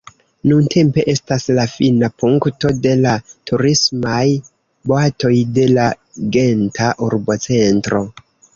Nuntempe estas la fina punkto de la turismaj boatoj de la Genta urbocentro.